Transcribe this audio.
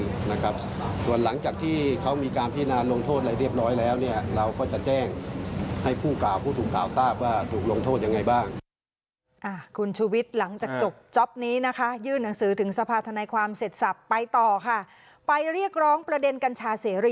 ครับแล้วจ้างหลังจากที่เขามีการพินานลงโทษแล้วเรียบร้อยแล้วเนี้ยเราก็จะแจ้งให้ปุ๊บจะ